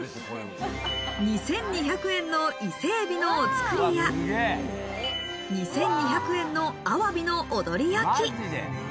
２２００円の伊勢エビのお造りや、２２００円のアワビの踊り焼き。